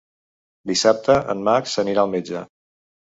Dissabte en Max anirà al metge.